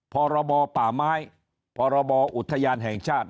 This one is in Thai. พบปมพบอุทยานแห่งชาติ